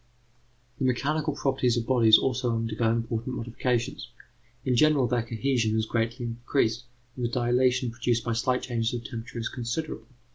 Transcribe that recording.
The mechanical properties of bodies also undergo important modifications. In general, their cohesion is greatly increased, and the dilatation produced by slight changes of temperature is considerable.